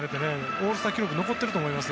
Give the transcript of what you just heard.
オールスター記録残っていると思いますよ。